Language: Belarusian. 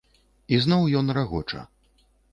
І зноў ён рагоча.